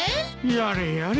やれやれ。